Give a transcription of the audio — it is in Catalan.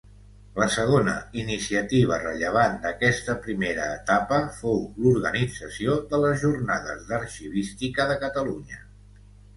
La segona iniciativa rellevant d'aquesta primera etapa, fou l'organització de les Jornades d'Arxivística de Catalunya.